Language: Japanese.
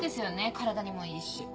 体にもいいし。